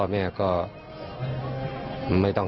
เป็นแม่นี้ก็ไม่ให้ห่วง